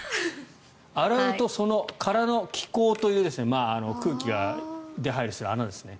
洗うと、その殻の気孔という空気が出入りする穴ですね